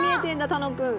楽くん。